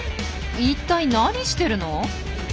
一体何してるの？